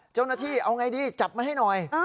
เจ้าหน้าที่เอาไงดีจับมันให้หน่อย